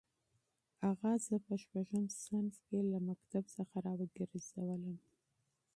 اغا زه په شپږم صنف کې له مکتب څخه راوګرځولم.